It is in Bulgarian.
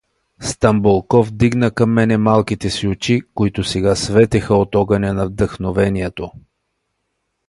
Стамболков дигна към мене малките си очи, които сега светеха от огъня на вдъхновението.